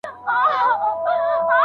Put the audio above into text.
د پیسو نشتون په زړښت کې لویه ستونزه ده.